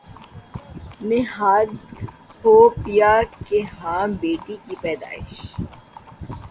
نیہا دھوپیا کے ہاں بیٹی کی پیدائش